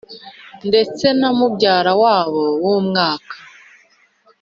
ndetse na mubyara wabo w’umwaka